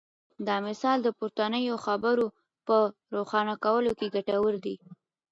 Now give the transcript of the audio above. دا مثال د پورتنیو خبرو په روښانولو کې ګټور دی.